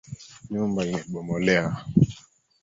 Nyumba imebomolewa.